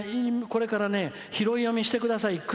これから拾い読みしてください。